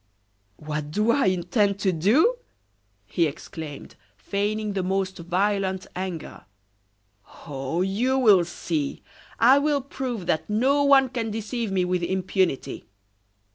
"What do I intend to do?" he exclaimed, feigning the most violent anger. "Oh! you will see. I will prove that no one can deceive me with impunity.